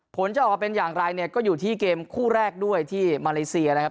ผลจะออกมาเป็นอย่างไรเนี่ยก็อยู่ที่เกมคู่แรกด้วยที่มาเลเซียนะครับ